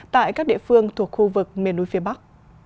tại các địa phương thuộc khu vực miền núi phía bắc